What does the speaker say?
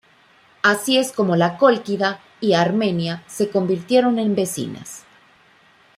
Así es como la Cólquida y Armenia se convirtieron en vecinas.